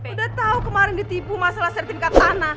udah tau kemarin ditipu masalah serting katana